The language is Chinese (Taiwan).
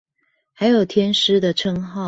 還有天師的稱號